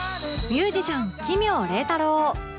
ミュージシャン奇妙礼太郎